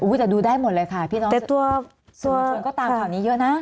อู้ยแต่ดูได้หมดเลยค่ะพี่น้องสมชวนก็ตามข่าวนี้เยอะนะ